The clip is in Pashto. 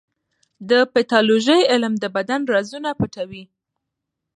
د پیتالوژي علم د بدن رازونه پټوي.